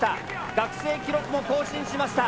学生記録も更新しました。